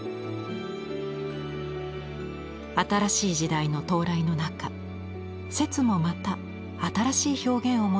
新しい時代の到来の中摂もまた新しい表現を求め動き始めます。